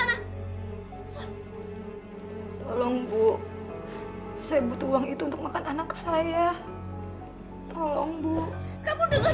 onep contohnya sama kuate